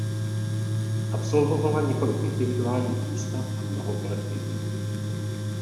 Absolvovala několik individuálních výstav a mnoho kolektivních.